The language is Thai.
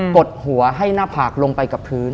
ดหัวให้หน้าผากลงไปกับพื้น